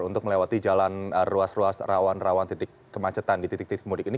untuk melewati jalan ruas ruas rawan rawan titik kemacetan di titik titik mudik ini